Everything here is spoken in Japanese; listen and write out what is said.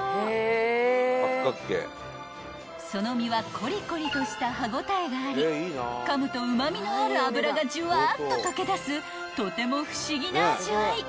［その身はコリコリとした歯応えがありかむとうま味のある脂がジュワーッと溶け出すとても不思議な味わい］